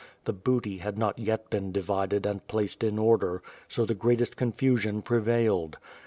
The booty had not yet been divided and placed in order, so the greatest confusion prevailed.